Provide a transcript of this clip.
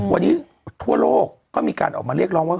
วันนี้ทั่วโลกก็มีการออกมาเรียกร้องว่า